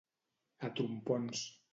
A trompons.